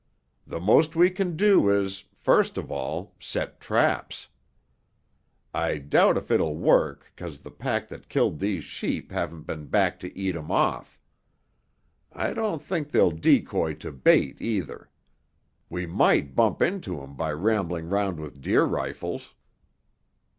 The most we can do is, first of all, set traps. I doubt if it'll work 'cause the pack that killed these sheep haven't been back to eat off 'em. I don't think they'll decoy to bait either. We might bump into 'em by rambling round with deer rifles."